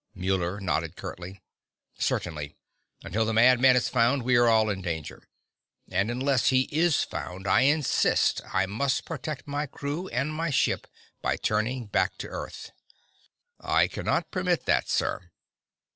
Muller nodded curtly. "Certainly. Until the madman is found, we're all in danger. And unless he is found, I insist I must protect my crew and my ship by turning back to Earth." "I cannot permit that, sir!"